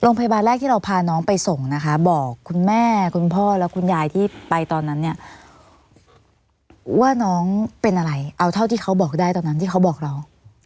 โรงพยาบาลแรกที่เราพาน้องไปส่งนะคะบอกคุณแม่คุณพ่อและคุณยายที่ไปตอนนั้นเนี่ยว่าน้องเป็นอะไรเอาเท่าที่เขาบอกได้ตอนนั้นที่เขาบอกเรา